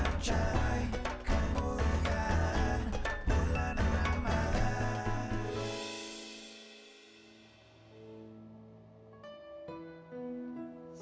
nabi acai kemuliaan bulan amalan